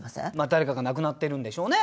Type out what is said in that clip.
誰かが亡くなってるんでしょうね。